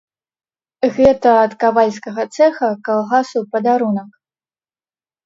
Гэта ад кавальскага цэха калгасу падарунак!